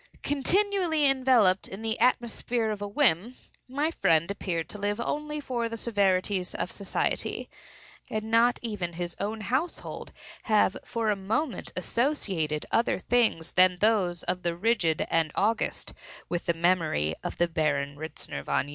Continually enveloped in an atmosphere of whim, my friend appeared to live only for the severities of society; and not even his own household have for a moment associated other ideas than those of the rigid and august with the memory of the Baron Ritzner von Jung.